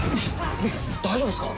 大丈夫ですか？